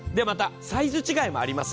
サイズ違いもあります。